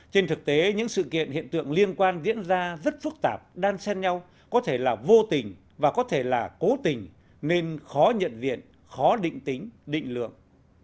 trên thực tế những sự kiện hiện tượng liên quan diễn ra rất phức tạp đan sen nhau có thể là vô tình và có thể là cố tình nên khó nhận diện khó định tính định lượng